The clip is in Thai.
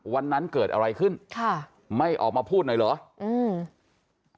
วันนั้นเกิดอะไรขึ้นค่ะไม่ออกมาพูดหน่อยเหรออืม